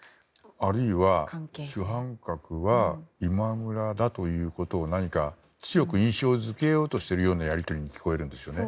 あるいは、主犯格は今村だということを何か強く印象付けようとしているようなやり取りに聞こえるんですよね。